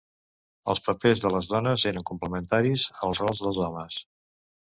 Els papers de les dones eren complementaris als rols dels homes.